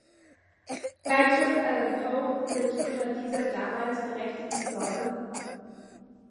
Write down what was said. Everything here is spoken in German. Edgar Allan Poe litt unter dieser damals berechtigten Sorge.